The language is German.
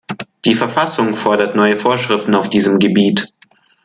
Die Verfassung fordert neue Vorschriften auf diesem Gebiet.